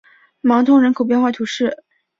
芒通人口变化图示